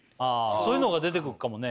そういうのが出てくっかもね